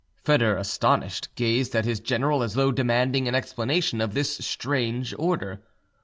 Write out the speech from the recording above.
Foedor, astonished, gazed at his general as though demanding an explanation of this strange order.